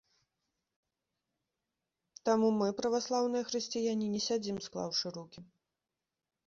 Таму мы, праваслаўныя хрысціяне, не сядзім склаўшы рукі.